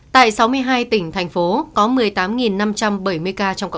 tại sáu mươi hai tỉnh thành phố có một mươi tám năm trăm linh ca